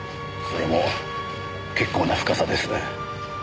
それも結構な深さですね。